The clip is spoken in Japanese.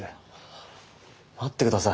待ってください。